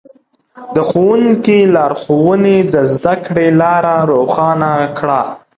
د ښوونکي لارښوونې د زده کړې لاره روښانه کړه.